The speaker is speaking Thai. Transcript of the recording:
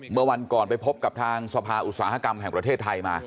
เมื่อวันก่อนไปพบกับทางสภาอุตสาหกรรมแห่งประเทศไทยมา